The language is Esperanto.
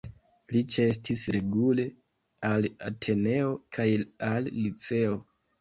Li ĉeestis regule al Ateneo kaj al Liceo.